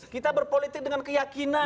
kita berpolitik dengan keyakinan